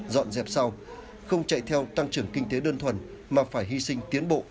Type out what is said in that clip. dọn dẹp sau không chạy theo tăng trưởng kinh tế đơn thuần mà phải hy sinh tiến bộ